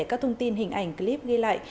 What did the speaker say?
các thông tin hình ảnh clip ghi lại